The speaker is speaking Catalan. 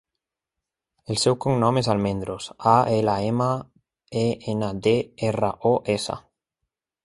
El seu cognom és Almendros: a, ela, ema, e, ena, de, erra, o, essa.